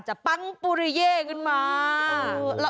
จะปั้งปุริเย้ขึ้นมา